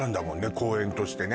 公園としてね